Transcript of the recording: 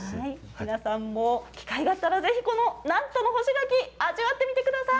皆さんも機会があったら、ぜひこの南砺の干し柿、味わってみてください。